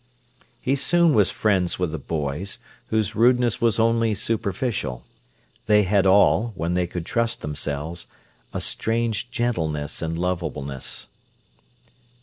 He soon was friends with the boys, whose rudeness was only superficial. They had all, when they could trust themselves, a strange gentleness and lovableness.